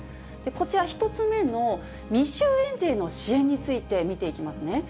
こちら、１つ目の未就園児の支援について、見ていきますね。